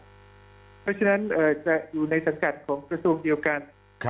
เพราะฉะนั้นจะอยู่ในสังกัดของกระทรวงเดียวกัน